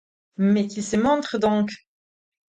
Mais qu'ils se montrent donc!